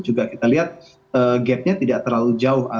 juga kita lihat gapnya tidak terlalu jauh